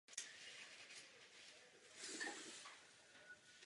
Stroj se lišil od civilních sourozenců jen absencí téměř všech bočních oken.